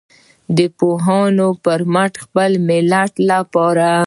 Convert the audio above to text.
د پوهانو په مټ د خپل ملت لپاره.